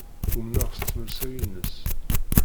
Umneɣ s tmelsa-ines.